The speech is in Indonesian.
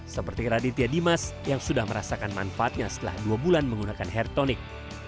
seperti raditya dimas yang sudah merasakan manfaatnya setelah dua bulan menggunakan hair tonic